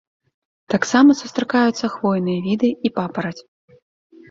Таксама сустракаюцца хвойныя віды і папараць.